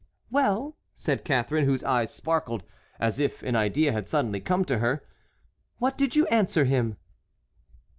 "Well," said Catharine, whose eyes sparkled as if an idea had suddenly come to her, "what did you answer him?"